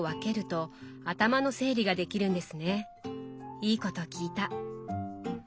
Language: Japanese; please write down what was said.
いいこと聞いた。